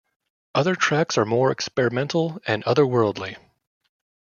Other tracks are more experimental and otherworldly.